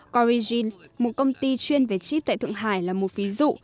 corrigin một công ty chuyên về chip tại thượng hải là một ví dụ